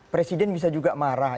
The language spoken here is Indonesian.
presiden bisa juga marah